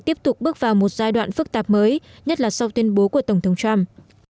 tiếp tục bước vào một giai đoạn phức tạp mới nhất là sau tuyên bố của tổng thống trump